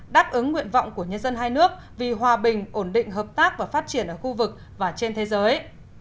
đáp ứng nguyện vọng của nhân dân hai nước vì hòa bình ổn định hợp tác và phát triển ở khu vực và trên thế giới